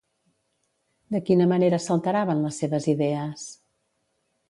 De quina manera s'alteraven les seves idees?